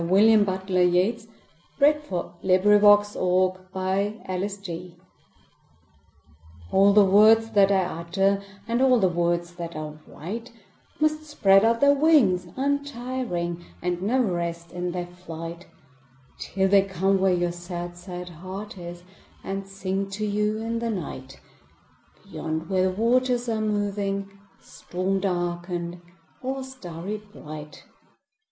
William Butler Yeats. b. 1865 862. Where My Books go ALL the words that I utter, And all the words that I write, Must spread out their wings untiring, And never rest in their flight, Till they come where your sad, sad heart is, 5 And sing to you in the night, Beyond where the waters are moving, Storm darken'd or starry bright.